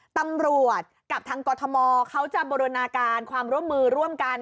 ตำรวจกับทางกรทมเขาจะบูรณาการความร่วมมือร่วมกัน